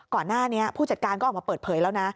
ก่อนหน้านี้ผู้จัดการก็ออกมาเปิดเผยแล้วนะ